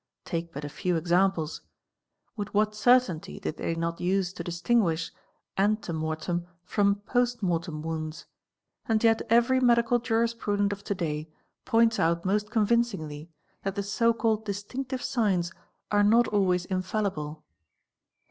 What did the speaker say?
Take but a few examples. With whe certainty did they not use to distinguish ante mortem from post mortem wounds? And yet every medical jurisprudent of to day points a é most convincingly that the so called distinctive signs are not always THE MEDICAL JURISPRUDENT 155 infallible.